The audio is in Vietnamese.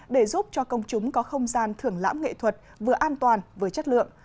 để giúp cho công chúng có không gian thưởng lãm nghệ thuật vừa an toàn vừa chất lượng